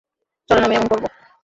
চলেন আমি এমন করব?